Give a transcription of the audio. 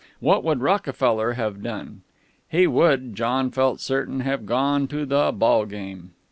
What would Rockefeller have done? He would, John felt certain, have gone to the ball game.